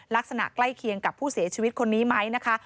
ลักษณะใกล้เคียงกับผู้เสียชีวิตคนนี้ไหมนะคะ